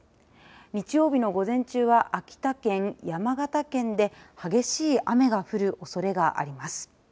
日曜日の午前中は秋田県、山形県で激しい雨が降るおそれがあります。